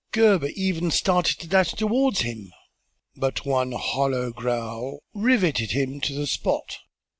Gebhr even started to dash towards him, but one hollow growl riveted him to the spot.